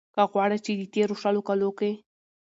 که غواړۍ ،چې د تېرو شلو کالو کې